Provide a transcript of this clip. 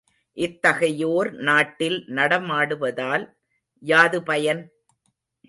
இத்தகையோர் நாட்டில் நடமாடுவதால் யாது பயன்?